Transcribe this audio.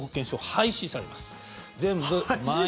廃止されます。